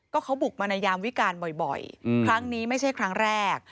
ก็เขาบุกมาในยามวิการบ่อยครั้งนี้ไม่ใช่ครั้งแรก